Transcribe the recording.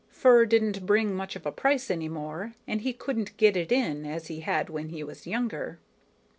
Fur didn't bring much of a price any more, and he couldn't get it in as he had when he was younger.